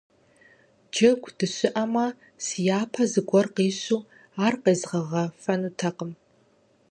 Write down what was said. Джэгу дыщыӀэмэ, сяпэ зыгуэр къищу ар къезгъэгъэфэнутэкъым.